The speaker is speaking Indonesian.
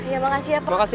ya makasih ya pak